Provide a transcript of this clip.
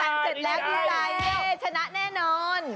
ตั้งเสร็จแล้วพี่สายเย่ชนะแน่นอน